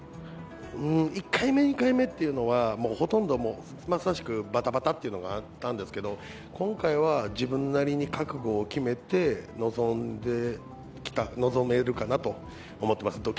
１回目、２回目っていうのはほとんどまさしくバタバタっていうのはあったんですけど今回は自分なりに覚悟を決めて臨めるかなと思ってます。